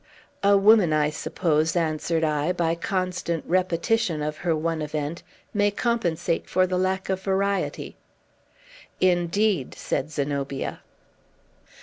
"A woman, I suppose," answered I, "by constant repetition of her one event, may compensate for the lack of variety." "Indeed!" said Zenobia.